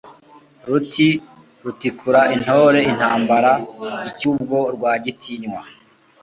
Ruti rutikura intore intambara icy'ubwo Rwagitinywa